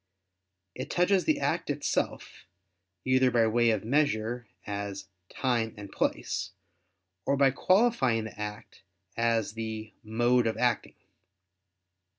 It touches the act itself, either by way of measure, as "time" and "place"; or by qualifying the act as the "mode of acting."